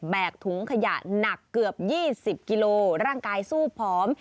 ถุงขยะหนักเกือบ๒๐กิโลร่างกายสู้ผอม